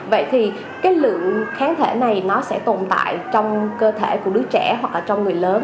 vậy thì cái lượng kháng thể này nó sẽ tồn tại trong cơ thể của đứa trẻ hoặc là trong người lớn